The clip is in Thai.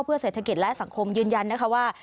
เพื่อเศรษฐกิจและสังคมยืนยันนะคะว่า